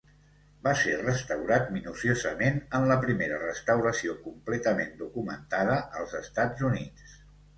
Va ser restaurat minuciosament en la primera restauració completament documentada als Estats Units.